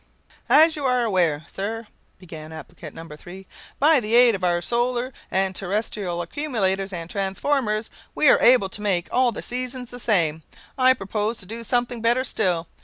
"As you are aware, sir," began applicant No. 3, "by the aid of our solar and terrestrial accumulators and transformers, we are able to make all the seasons the same. I propose to do something better still.